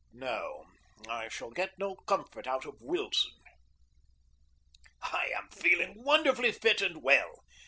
No, I shall get no comfort out of Wilson. I am feeling wonderfully fit and well.